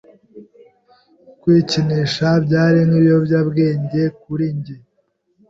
Kwikinisha byari nkikiyobyabwenge kuri jye